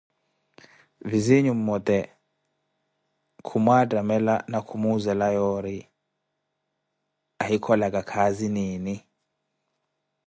Vizinyu mmote khumwattamela na khumuuzela yoori ohikholaka kaazi niini.